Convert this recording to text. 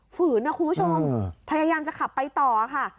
ฝืนนะคุณผู้ชมพยายามจะขับไปต่อค่ะ